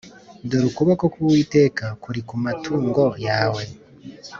dore ukuboko kuwiteka kuri ku matungo yawe